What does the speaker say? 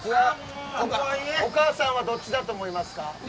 お母さんはどっちだと思いますか？